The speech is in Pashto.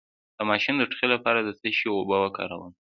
د ماشوم د ټوخي لپاره د څه شي اوبه وکاروم؟